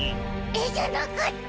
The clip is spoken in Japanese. えじゃなかった！